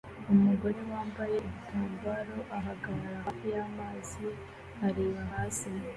Umugore wambaye igitambaro ahagarara hafi y'amazi areba hasi